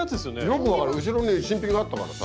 よく分かる後ろに新品があったからさ。